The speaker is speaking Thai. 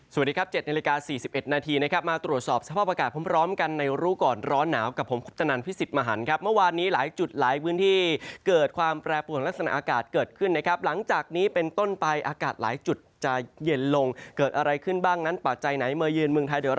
สวัสดีครับ๗นาฬิกา๔๑นาทีนะครับมาตรวจสอบสภาพอากาศพร้อมกันในรู้ก่อนร้อนหนาวกับผมคุปตนันพิสิทธิ์มหันครับเมื่อวานนี้หลายจุดหลายพื้นที่เกิดความแปรปวนลักษณะอากาศเกิดขึ้นนะครับหลังจากนี้เป็นต้นไปอากาศหลายจุดจะเย็นลงเกิดอะไรขึ้นบ้างนั้นปัจจัยไหนมายืนเมืองไทยเดี๋ยว